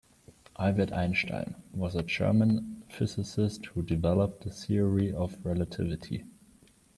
Albert Einstein was a German physicist who developed the Theory of Relativity.